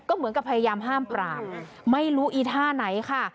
เหมือนกับพยายามห้ามปราบไม่รู้อีท่าไหนค่ะ